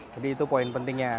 jadi itu poin pentingnya